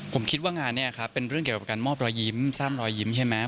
ผมคิดว่างานนี้ครับเป็นเรื่องเกี่ยวกับการมอบรอยยิ้มสร้างรอยยิ้มใช่ไหม